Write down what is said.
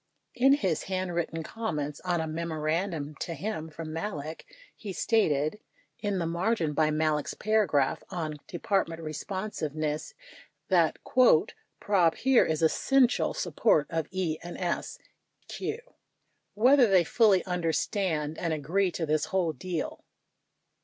In his handwritten comments on a memorandum to him from Malek 55 he stated, in the margin by Malek's paragraph on "Department Re sponsiveness," that "Prob here is essential support of E&S — q. whether they really fully understand & agree to this whole deal.